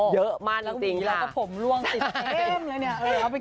เยอะมากจริงแล้วก็หวีแล้วก็ผมร่วงติดเต้น